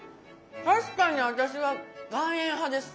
確かに私は岩塩派です。